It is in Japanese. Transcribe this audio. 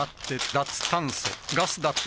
脱炭素ガス・だって・